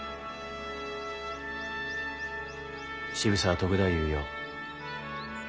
渋沢篤太夫よ。